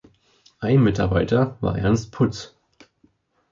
Ein Mitarbeiter war Ernst Putz.